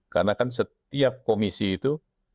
karena kan setiap komisi itu